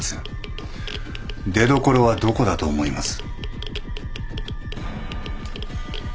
出どころはどこだと思います？